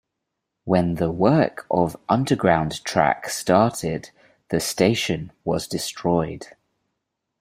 When the work of underground track started, the station was destroyed.